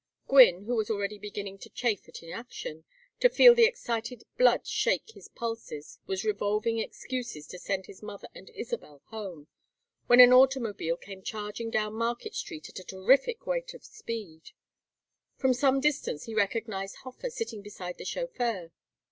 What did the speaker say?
Gwynne, who was already beginning to chafe at inaction, to feel the excited blood shake his pulses, was revolving excuses to send his mother and Isabel home, when an automobile came charging down Market Street at a terrific rate of speed. From some distance he recognized Hofer sitting beside the chauffeur.